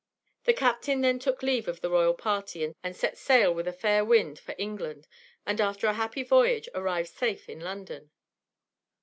The captain then took leave of the royal party, and set sail with a fair wind for England, and after a happy voyage arrived safe in London.